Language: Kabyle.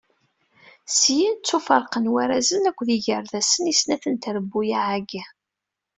Syin, ttuferqen warrazen akked yigerdasen i snat n trebbuyaɛ-agi.